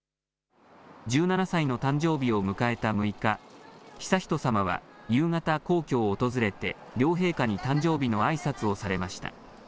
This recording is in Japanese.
１７歳の誕生日を迎えた６日、悠仁さまは夕方、皇居を訪れて、両陛下に誕生日のあいさつをされました。